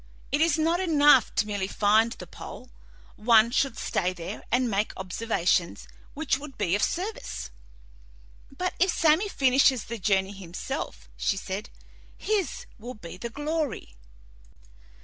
It is not enough to merely find the pole; one should stay there and make observations which would be of service." "But if Sammy finishes the journey himself," she said, "his will be the glory."